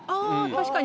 確かに。